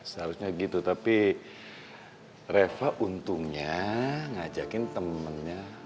seharusnya gitu tapi reva untungnya ngajakin temennya